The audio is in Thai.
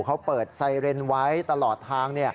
เขาเปิดไซเรนไว้ตลอดทาง